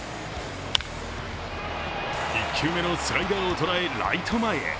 １球目のスライダーを捉え、ライト前へ。